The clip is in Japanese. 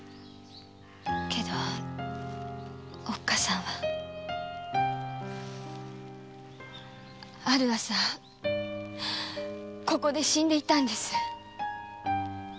けどおっかさんはある朝ここで死んでいたんです。